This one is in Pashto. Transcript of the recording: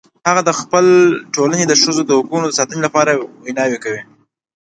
هغه د خپل ټولنې د ښځو د حقونو د ساتنې لپاره ویناوې کوي